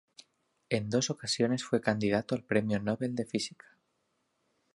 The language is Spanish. En dos ocasiones fue candidato al premio Nobel de física.